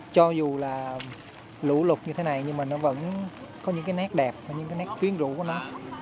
cho dù là lũ lụt như thế này nhưng mà nó vẫn có những cái nét đẹp và những cái nét tiếng rũ của nó